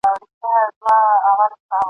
د زلمي ساقي له لاسه جام پر مځکه پرېوتلی ..